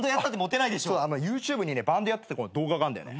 ＹｏｕＴｕｂｅにねバンドやってた動画があんだよね。